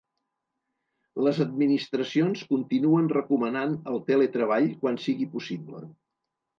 Les administracions continuen recomanant el teletreball quan sigui possible.